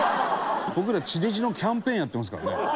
僕ら、地デジのキャンペーンやってますからね。